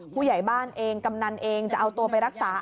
ผู้ใหญ่บ้านเองกำนันเองจะเอาตัวไปรักษา